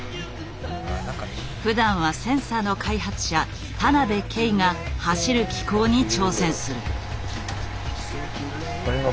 ふだんはセンサーの開発者田邊圭が走る機構に挑戦する。